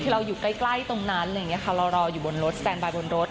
เราอยู่ใกล้ตรงนั้นเรารออยู่บนรถสแตนบายบนรถ